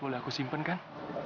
boleh aku simpan kan